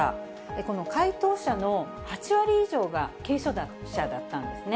この回答者の８割以上が軽症者だったんですね。